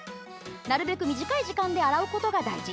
なるべく短い時間で洗うことが大事。